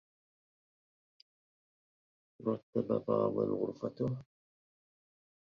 رتّب فاضل غرفتة.